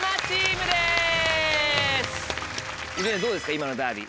今のダービー。